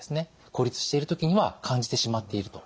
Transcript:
孤立している時には感じてしまっていると。